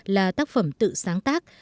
là tác phẩm tự sáng tác